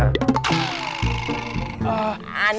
aneh ya ini